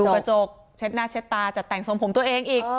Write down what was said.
กระจกเช็ดหน้าเช็ดตาจะแต่งทรงผมตัวเองอีก